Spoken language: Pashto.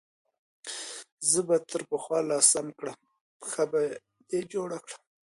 زه به دې تر پخوا لا سم کړم، پښه به دې جوړه کړم.